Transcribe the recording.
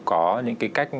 có những cái cách